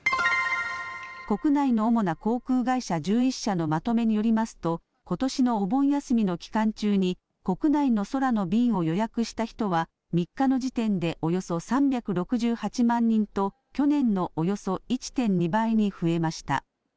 国内の主な航空会社１１社のまとめによりますと、ことしのお盆休みの期間中に、国内の空の便を予約した人は３日の時点でおよそ３６８万人と、去年のおよそ１．２倍に増えました。